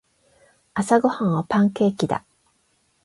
朝ごはんはパンケーキだ。